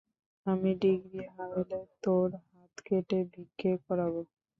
আমি ডিগ্রি হারালে, তোর হাত কেটে ভিক্ষে করাবো।